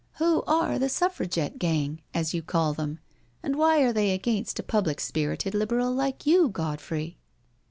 •• Who are the Suffragette * gang/ as you call them? and why are they against a public spirited Liberal like you^ Godfrey?'